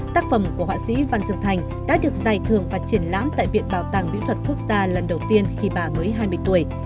tác phẩm của họa sĩ văn dương thành đã được giải thưởng và triển lãm tại viện bảo tàng mỹ thuật quốc gia lần đầu tiên khi bà mới hai mươi tuổi